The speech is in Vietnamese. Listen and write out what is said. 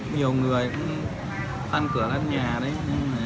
nhiều người cũng ăn cửa ăn nhà đấy